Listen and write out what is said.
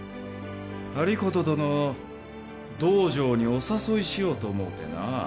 有功殿を道場にお誘いしようと思うてな。